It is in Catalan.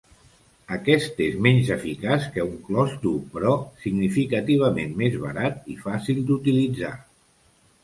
Aquest és menys eficaç que un clos dur, però significativament més barat i fàcil d'utilitzar.